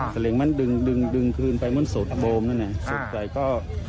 สลิงมันดึงดึงดึงขึ้นไปแม้สุดโบมเลยนะสุดแต่ก็